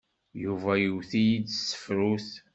Yuba iwet-iyi s tefrut.